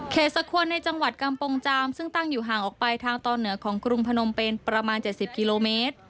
สควรในจังหวัดกำปงจามซึ่งตั้งอยู่ห่างออกไปทางตอนเหนือของกรุงพนมเป็นประมาณ๗๐กิโลเมตร